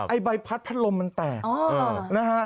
ไอ้ใบพัดพัดลมมันแตก